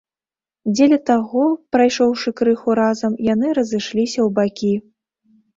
Дзеля таго, прайшоўшы крыху разам, яны разышліся ў бакі.